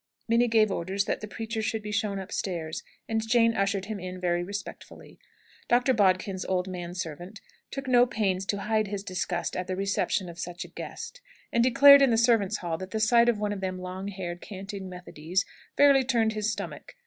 Minnie gave orders that the preacher should be shown upstairs, and Jane ushered him in very respectfully. Dr. Bodkin's old man servant took no pains to hide his disgust at the reception of such a guest; and declared in the servants' hall that the sight of one of them long haired, canting Methodys fairly turned his stomach.